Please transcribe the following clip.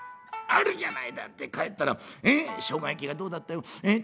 「あるじゃないだって帰ったらしょうが焼きがどうだったよ。え？